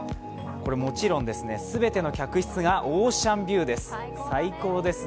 もちろん、すべての客室がオーシャンビューです。